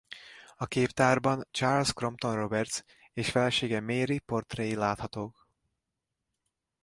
A képtárban Charles Crompton-Roberts és felesége Mary portréi láthatók.